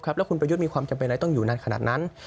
แล้วคุณประยุทธ์มีความจำเป็นอะไรต้องอยู่นานขนาดนั้น